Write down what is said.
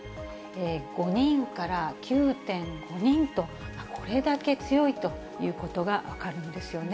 ５人から９．５人と、これだけ強いということが分かるんですよね。